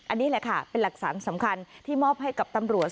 อันนี้แหละค่ะเป็นหลักฐานสำคัญที่มอบให้กับตำรวจ